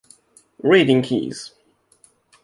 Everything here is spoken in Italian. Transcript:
Reading Keys